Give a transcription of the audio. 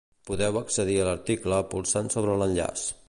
Podeu accedir a l'article polsant sobre l'enllaç.